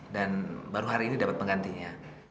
dan baru hari ini dapet penggantinya